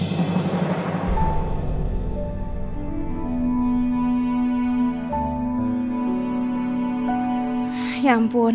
waduh ini ada di atas